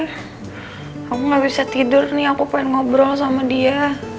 kamu gak bisa tidur nih aku pengen ngobrol sama dia